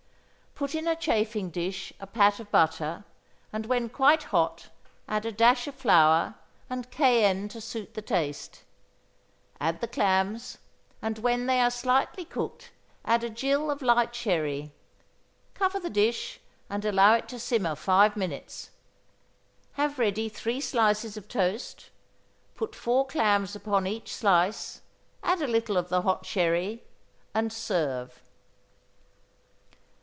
Put in a chafing dish a pat of butter, and when quite hot add a dash of flour, and cayenne to suit the taste; add the clams, and when they are slightly cooked add a gill of light sherry. Cover the dish, and allow it to simmer five minutes. Have ready three slices of toast, put four clams upon each slice, add a little of the hot sherry, and serve.